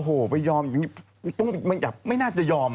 โอ้โหไม่ยอมไม่น่าจะยอม